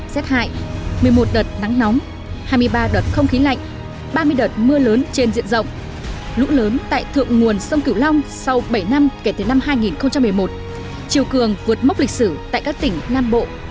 sau bảy năm kể từ năm hai nghìn một mươi một triều cường vượt mốc lịch sử tại các tỉnh nam bộ